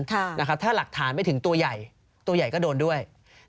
ถ้าหลักฐานไม่ถึงตัวใหญ่ตัวใหญ่ก็โดนด้วย